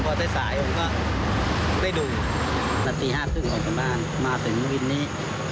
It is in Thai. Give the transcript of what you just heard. นัดสี่ห้าที่สุดของสมบันมาถึงมุมวินนี้